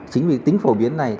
chính vì tính phổ biến này